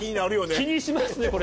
気にしますねこれ。